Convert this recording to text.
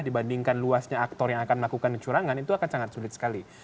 dibandingkan luasnya aktor yang akan melakukan kecurangan itu akan sangat sulit sekali